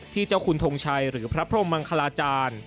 ที่เจ้าคุณทงชัยหรือพระพรมมังคลาจารย์